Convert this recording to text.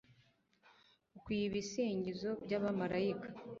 ukwiye ibisingizo by'abamalayika